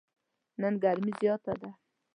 نن ګرمي زیاته ده.